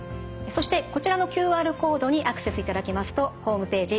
そしてこちらのＱＲコードにアクセスいただきますとホームページ